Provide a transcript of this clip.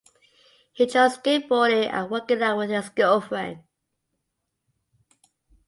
He enjoys skateboarding and working out with his girlfriend.